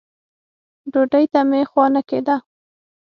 ډوډۍ ته مې خوا نه کېده.